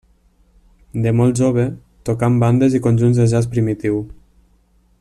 De molt jove, tocà en bandes i conjunts de jazz primitiu.